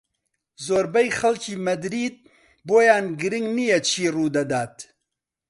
زۆربەی خەڵکی مەدرید بۆیان گرنگ نییە چی ڕوودەدات.